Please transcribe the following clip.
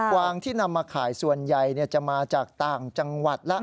วางที่นำมาขายส่วนใหญ่จะมาจากต่างจังหวัดแล้ว